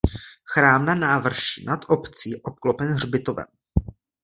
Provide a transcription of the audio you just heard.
Chrám na návrší nad obcí je obklopen hřbitovem.